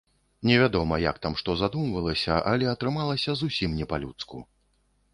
Невядома, як там што задумвалася, але атрымалася зусім не па-людску.